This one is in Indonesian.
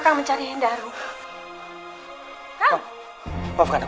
kamu benar benar benar